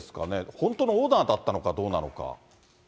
本当のオーナーだったのかどうなのか。